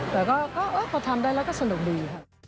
แต่ก็พอทำได้แล้วก็สนุกดีค่ะ